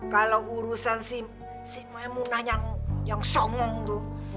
kalau urusan si maimunah yang songong tuh